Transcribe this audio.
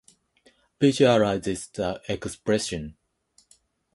Visualises the expression